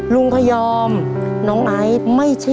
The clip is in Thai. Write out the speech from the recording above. ลุงพยอมน้องไอ้ไม่ใช่แรก